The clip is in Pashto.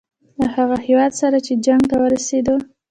له هغه هیواد سره چې جنګ ته ورسېدو.